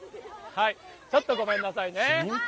ちょっとごめんなさいね。